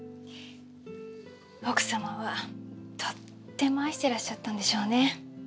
奥様はとっても愛してらっしゃったんでしょうね。